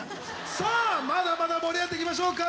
さあまだまだ盛り上がっていきましょうか！